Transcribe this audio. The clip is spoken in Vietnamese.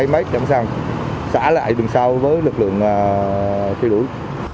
máy chẳng sẵn sàng xả lại đường sau với lực lượng thi đuổi